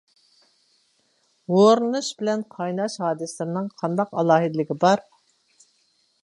ھورلىنىش بىلىن قايناش ھادىسىلىرىنىڭ قانداق ئالاھىدىلىكى بار؟